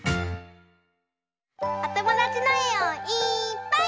おともだちのえをいっぱい。